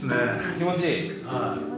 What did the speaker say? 気持ちいい？